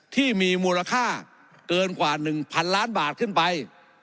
ที่มีมูลค่าเกินกว่า๑๐๐๐ล้านบาทขึ้นไป